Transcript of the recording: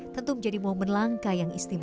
tentu menjadi momen langka yang istimewa